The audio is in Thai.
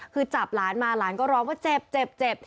คือจับหลานมาหลานก็ร้องว่าเจ็บเจ็บ